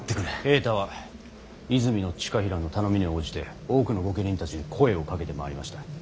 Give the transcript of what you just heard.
平太は泉親衡の頼みに応じて多くの御家人たちに声をかけて回りました。